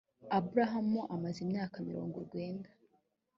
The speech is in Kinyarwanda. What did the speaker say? aburamu amaze imyaka mirongo urwenda